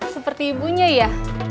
seperti ibunya ya